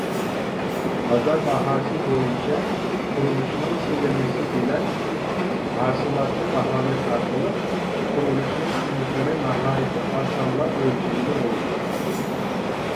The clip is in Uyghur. بازار باھاسى بويىچە قۇرۇلۇشنىڭ سېلىنمىسى بىلەن ھاسىلاتنى باھالاش ئارقىلىق، قۇرۇلۇشنىڭ قىممىتىنى ناھايىتى ئاسانلا ئۆلچىگىلى بولىدۇ.